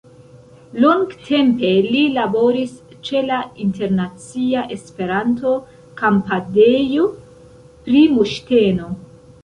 Longtempe li laboris ĉe la Internacia-Esperanto-Kampadejo-Primoŝteno.